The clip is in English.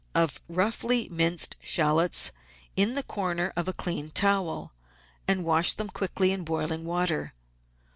of roughly minced shallots in the corner of a clean towel, and wash them quickly in boiling water.